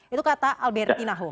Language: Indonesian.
itu kata albertina ho